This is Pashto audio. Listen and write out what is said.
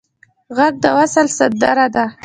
غږ د وصل سندره ده